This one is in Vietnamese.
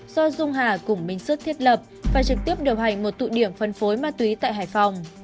do dung hà cùng minh sức thiết lập và trực tiếp điều hành một tụ điểm phân phối ma túy tại hải phòng